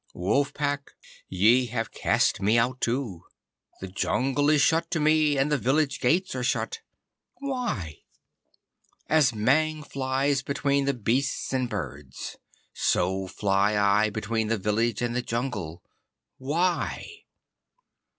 Wolf Pack, ye have cast me out too. The jungle is shut to me and the village gates are shut. Why? As Mang flies between the beasts and birds, so fly I between the village and the jungle. Why?